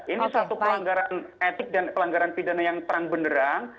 ini satu pelanggaran etik dan pelanggaran pidana yang terang benderang